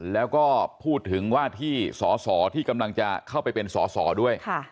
แล้วก็พูดถึงว่าที่สอสอที่กำลังจะเข้าไปเป็นสอสอด้วย